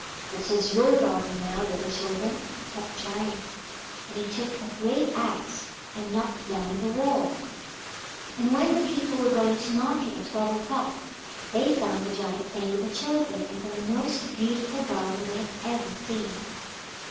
"It is your garden now, little children," said the Giant, and he took a great axe and knocked down the wall. And when the people were going to market at twelve o'clock they found the Giant playing with the children in the most beautiful garden they had ever seen.